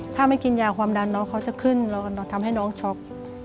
ถ้าไม่กินยาความดันน้องเขาจะขึ้นเราทำให้น้องช็อก